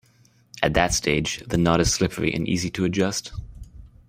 At that stage, the knot is slippery and easy to adjust.